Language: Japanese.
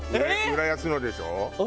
浦安のでしょ？